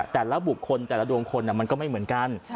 แต่ละบุคคลแต่ละดวงคนมันก็ไม่เหมือนกัน